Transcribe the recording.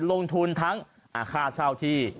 ลงทุนทั้งค่าเช่าที่